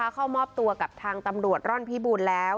เข้ามอบตัวกับทางตำรวจร่อนพิบูรณ์แล้ว